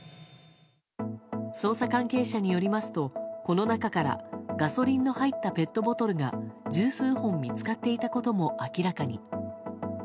捜査関係者によりますとこの中からガソリンの入ったペットボトルが十数本見つかっていたことも明らかに。